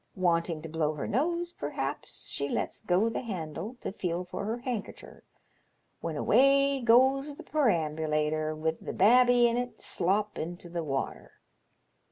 Wanting to blow her nose, perhaps, she lets go the handle to feel for her handkercher, when away goes the perambulator with the babby in it slop into the water.